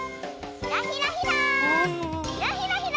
ひらひらひらひら。